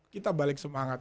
kita balik semangat